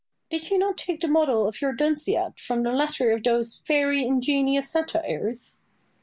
Boileau. Did not you take the model of your "Dunciad" from the latter of those very ingenious satires?